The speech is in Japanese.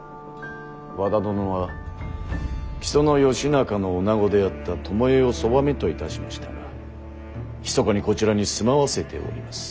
和田殿は木曽義仲の女子であった巴をそばめといたしましたがひそかにこちらに住まわせております。